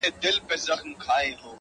o ککرۍ يې دي رېبلي دې بدرنگو ککریو،